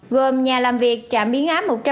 gồm nhà làm việc trạm biến áp